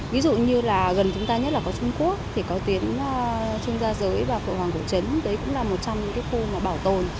và gần chúng ta nhất là có trung quốc thì có tuyến trung gia giới và phổ hoàng cổ trấn đấy cũng là một trong những khu bảo tồn